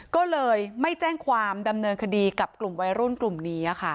ก็เลยไม่แจ้งความดำเนินคดีกับกลุ่มวัยรุ่นกลุ่มนี้ค่ะ